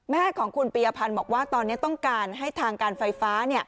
แม่ของคุณปียพันธ์บอกว่าตอนนี้ต้องการให้ทางการไฟฟ้า